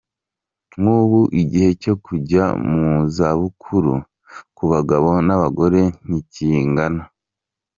Nk’ubu igihe cyo kujya mu zabukuru ku bagabo n’abagore ntikingana.